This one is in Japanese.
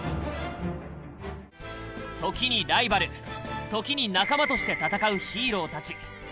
時にライバル時に仲間として戦うヒーローたち。